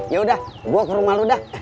yaudah gue ke rumah lu dah